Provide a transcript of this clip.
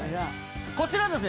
こちらですね